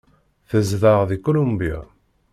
Tezdeɣ deg Kulumbya.